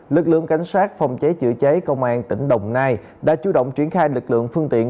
lực lượng cảnh sát phòng cháy chữa cháy công an tỉnh đồng nai đã chủ động triển khai lực lượng phương tiện